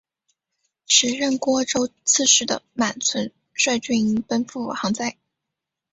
时任虢州刺史的满存率军奔赴行在。